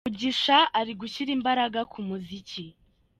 Mugisha ari gushyira imbaraga ku muziki